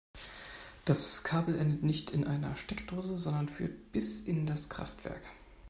Das Kabel endet nicht in einer Steckdose, sondern führt bis in das Kraftwerk.